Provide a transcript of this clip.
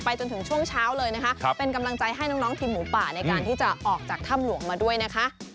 จนถึงช่วงเช้าเลยนะคะเป็นกำลังใจให้น้องทีมหมูป่าในการที่จะออกจากถ้ำหลวงมาด้วยนะคะ